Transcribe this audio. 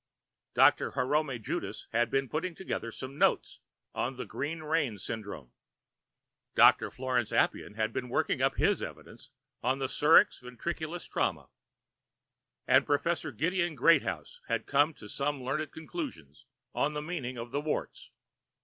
Doctor Herome Judas had been putting together some notes on the Green Rain Syndrome. Doctor Florenz Appian had been working up his evidence on the Surex Ventriculus Trauma, and Professor Gideon Greathouse had come to some learned conclusions on the inner meaning of warts.